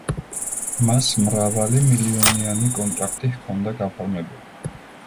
მას მრავალი მილიონიანი კონტრაქტი ჰქონდა გაფორმებული.